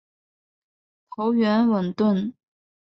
头圆吻钝。